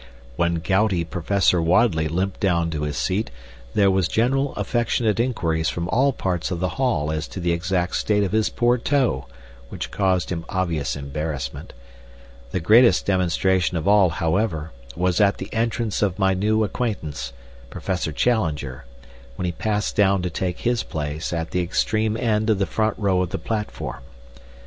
When gouty Professor Wadley limped down to his seat there were general affectionate inquiries from all parts of the hall as to the exact state of his poor toe, which caused him obvious embarrassment. The greatest demonstration of all, however, was at the entrance of my new acquaintance, Professor Challenger, when he passed down to take his place at the extreme end of the front row of the platform.